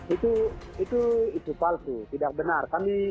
itu itu itu palsu tidak benar